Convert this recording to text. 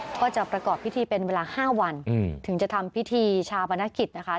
ก็จะประกอบพิธีเป็นเวลา๕วันถึงจะทำพิธีชาปนกิจนะคะ